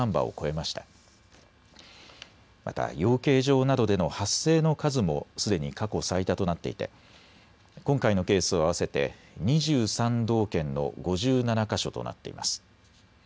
また養鶏場などでの発生の数もすでに過去最多となっていて今回のケースを合わせて２３道県の５７か所となっています。